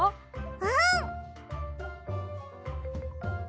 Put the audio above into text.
うん！